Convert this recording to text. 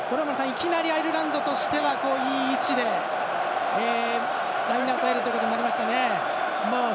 いきなりアイルランドとしてはいい位置でラインアウトを得ることができましたね。